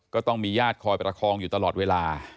ก็ต้องมีญาติคอยประคองอยู่ตลอดเวลา